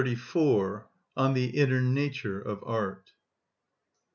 (18) On The Inner Nature Of Art.